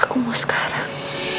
aku mau sekarang